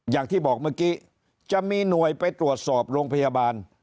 อย่างที่บอกเมื่อกี้จะมีหน่วยไปตรวจสอบโรงพยาบาล